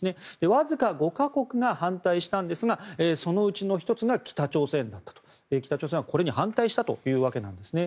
わずか５か国が反対したんですがそのうちの１つが北朝鮮だったと北朝鮮はこれに反対したというわけです。